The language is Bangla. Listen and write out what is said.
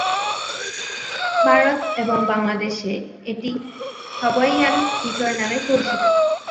ভারত এবং বাংলাদেশে এটি হাওয়াইয়ান গিটার নামে পরিচিত।